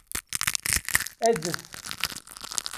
Adef.